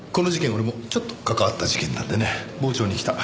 俺もちょっと関わった事件なんでね傍聴に来た。